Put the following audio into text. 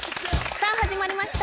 さあ始まりました